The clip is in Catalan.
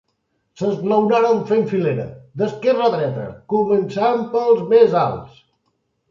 S'esglaonaren fent filera, d'esquerra a dreta, començant pels més alts.